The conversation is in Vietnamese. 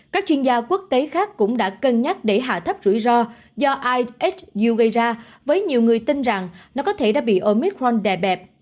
các chuyên gia quốc tế khác cũng đã cân nhắc để hạ thấp rủi ro do ix gây ra với nhiều người tin rằng nó có thể đã bị omit ron đè bẹp